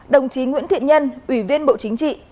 đồng chí nguyễn thiện nhân ủy viên bộ chính trị